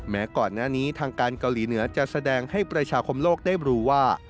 แม้ก่อนหน้านี้ทางการเกาหลีเหนือจะแสดงให้ประชาคมโลกได้รู้ว่า